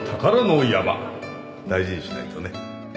大事にしないとね